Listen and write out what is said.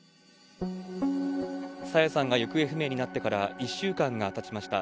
朝芽さんが行方不明になってから１週間がたちました。